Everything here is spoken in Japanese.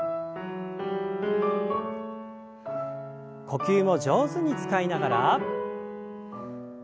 呼吸を上手に使いながら。